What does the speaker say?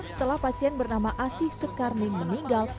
setelah pasien bernama asih sekarni meninggal